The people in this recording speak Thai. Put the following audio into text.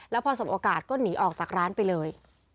แล้วพอสมโอกาสก็หนีออกจากร้านไปเลย